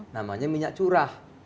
namanya minyak curah